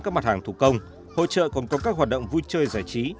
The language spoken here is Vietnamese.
các mặt hàng thủ công hội trợ còn có các hoạt động vui chơi giải trí